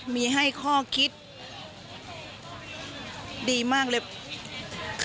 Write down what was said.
ดีมากเลยคือมีความคิดมีความคิดมีความคิด